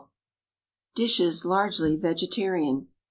DISHES LARGELY VEGETARIAN.